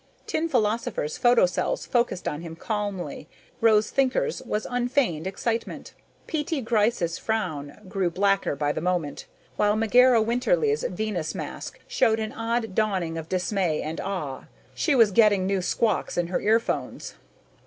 Tin Philosopher's photocells focused on him calmly, Rose Thinker's with unfeigned excitement. P.T. Gryce's frown grew blacker by the moment, while Megera Winterly's Venus mask showed an odd dawning of dismay and awe. She was getting new squawks in her earphones.